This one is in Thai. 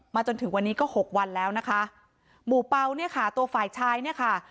จนถึงวันนี้ก็หกวันแล้วนะคะหมู่เปล่าเนี่ยค่ะตัวฝ่ายชายเนี่ยค่ะ